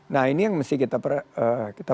nah ini yang mesti kita